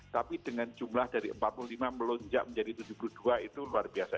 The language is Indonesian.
tapi dengan jumlah dari empat puluh lima melonjak menjadi tujuh puluh dua itu luar biasa